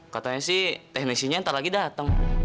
katanya sih teknisinya ntar lagi datang